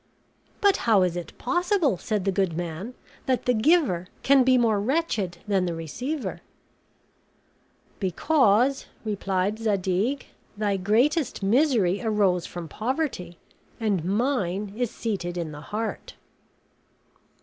"But how is it possible," said the good man, "that the giver can be more wretched than the receiver?" "Because," replied Zadig, "thy greatest misery arose from poverty, and mine is seated in the heart."